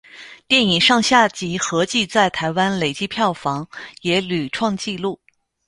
电影上下集合计在台湾累积票房也屡创纪录。